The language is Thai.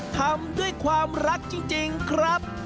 ทำด้วยความรักจริงครับ